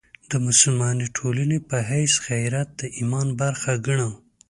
د مسلمانې ټولنې په حیث غیرت د ایمان برخه ګڼو.